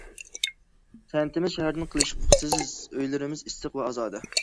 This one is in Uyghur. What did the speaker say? كەنتىمىز شەھەردىن قېلىشقۇسىز، ئۆيلىرىمىز ئىسسىق ۋە ئازادە.